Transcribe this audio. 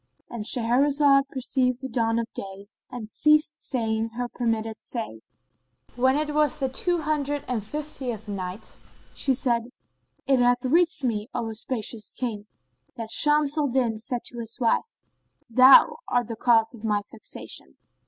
"—And Shahrazed perceived the dawn of day and ceased saying her permitted say, When it was the Two Hundred and Fiftieth Night, She said, It hath reached me, O auspicious King, that Shams al Din said to his wife, "Thou art the cause of my vexation."